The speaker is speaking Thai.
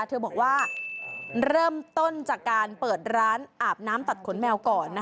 เธอบอกว่าเริ่มต้นจากการเปิดร้านอาบน้ำตัดขนแมวก่อน